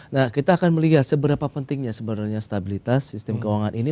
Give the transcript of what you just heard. nah kita akan melihat seberapa pentingnya sebenarnya stabilitas sistem keuangan ini